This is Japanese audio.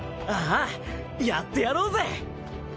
ああやってやろうぜ！